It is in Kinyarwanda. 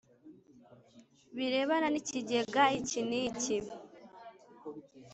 birebana n ikigega iki n iki